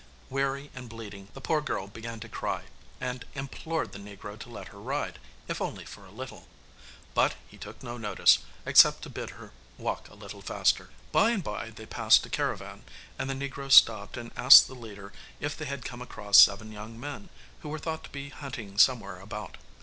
Weary and bleeding the poor girl began to cry, and implored the negro to let her ride, if only for a little. But he took no notice, except to bid her walk a little faster. By and by they passed a caravan, and the negro stopped and asked the leader if they had come across seven young men, who were thought to be hunting somewhere about.